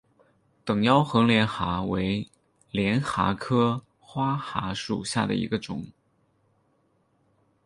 等腰横帘蛤为帘蛤科花蛤属下的一个种。